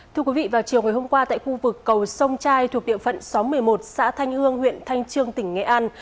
thưa quý vị vào chiều ngày hôm qua tại khu vực cầu sông trai thuộc địa phận xóm một mươi một xã thanh hương huyện thanh trương tỉnh nghệ an